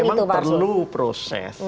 nah itulah memang perlu proses